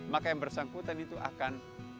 maka yang bersangkutan itu akan